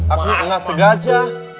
aku gak sengaja